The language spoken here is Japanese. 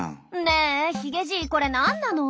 ねえヒゲじいこれ何なの？